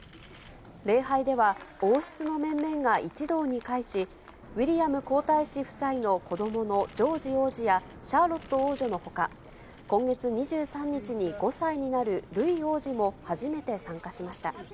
礼拝では、王室の面々が一堂に会し、ウィリアム皇太子夫妻の子どものジョージ王子やシャーロット王女のほか、今月２３日に５歳になるルイ王子も初めて参加しました。